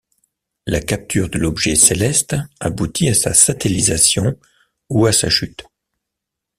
La capture de l'objet céleste aboutit à sa satellisation ou à sa chute.